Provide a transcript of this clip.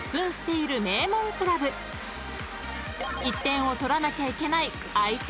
［１点を取らなきゃいけない］